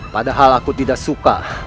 padahal aku tidak suka